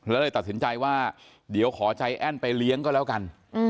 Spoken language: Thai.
แล้วเลยตัดสินใจว่าเดี๋ยวขอใจแอ้นไปเลี้ยงก็แล้วกัน